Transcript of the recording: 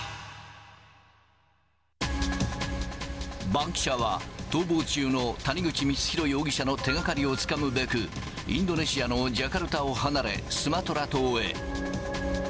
バンキシャは、逃亡中の谷口光弘容疑者の手がかりをつかむべく、インドネシアのジャカルタを離れ、スマトラ島へ。